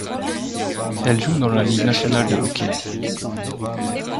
Elle joue dans la Ligue nationale de hockey.